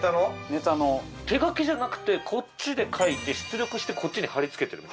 ネタの手描きじゃなくてこっちで描いて出力してこっちに貼り付けてる？